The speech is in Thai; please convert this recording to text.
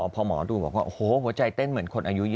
พอหมอดูหัวใจเต้นเหมือนคนอายุ๒๖